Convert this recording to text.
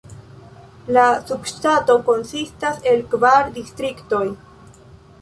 La subŝtato konsistas el kvar distriktoj.